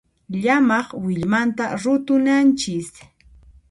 Llamaq willmanta rutunanchis.